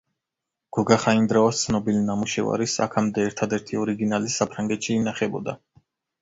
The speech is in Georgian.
გოგა ხაინდრავას ცნობილ ნამუშევარის აქამდე ერთადერთი ორიგინალი საფრანგეთში ინახებოდა.